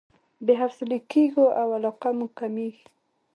بې حوصلې کېږو او علاقه مو کميږي.